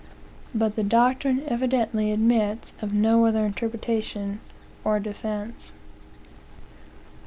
But the doctrine evidently admits of no other interpretation or defence.